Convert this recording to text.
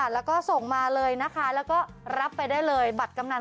แล้วก็ส่งมาเลยนะคะแล้วก็รับไปได้เลยบัตรกำนัน